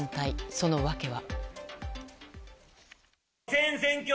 その訳は。